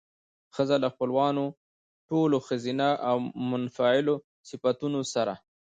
ښځه له خپلو ټولو ښځينه او منفعلو صفتونو سره